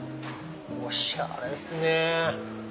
おしゃれっすね！